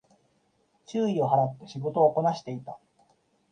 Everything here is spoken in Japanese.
注意を払って仕事をこなしていた